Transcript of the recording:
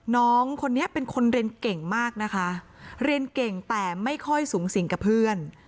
น้องคนนี้เป็นคนเรียนเก่งมากนะคะเรียนเก่งแต่ไม่ค่อยสูงสิงกับเพื่อน